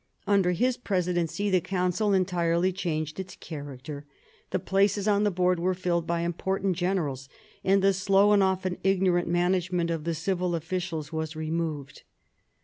Under his presidency the Council entirely changed its character. The places on the board were filled by important generals, and the slow and often ignorant management of the civil officials was removed.